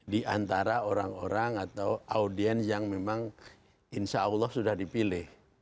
di antara orang orang atau audiens yang memang insya allah sudah dipilih